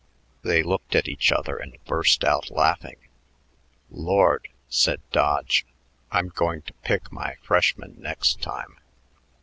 They looked at each other and burst out laughing. "Lord," said Dodge, "I'm going to pick my freshmen next time.